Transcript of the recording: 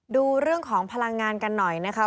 ดูเรื่องของพลังงานกันหน่อยนะคะ